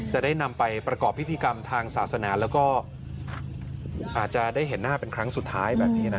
จะได้นำไปประกอบพิธีกรรมทางศาสนาแล้วก็อาจจะได้เห็นหน้าเป็นครั้งสุดท้ายแบบนี้นะ